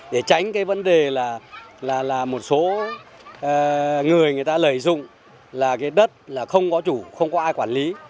để tránh cái vấn đề là một số người người ta lợi dụng là cái đất là không có chủ không có ai quản lý